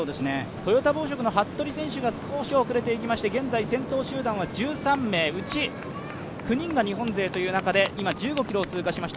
トヨタ紡織の服部選手が少し遅れてきまして現在、先頭集団は１３名うち９人が日本勢という中で、今、１５ｋｍを通過しました。